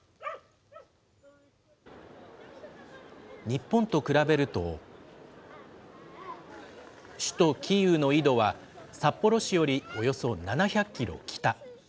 日本と比べると、首都キーウの緯度は札幌市よりおよそ７００キロ北。